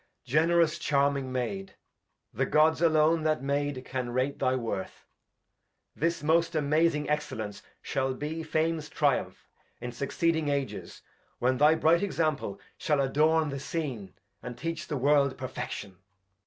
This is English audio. Edg. Generous charming Maid, The Gods alone that made, can rate thy Worth ! This most amazing Excellence shall be Fame's Triumph in succeeding Ages, when Thy bright Example shall adorn the Scene, And teach the World Perfection.